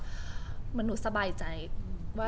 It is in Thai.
เรื่องภาพมันนี้กระตุ๊กติดใจไหมคะ